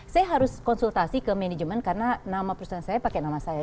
saya harus konsultasi ke manajemen karena nama perusahaan saya pakai nama saya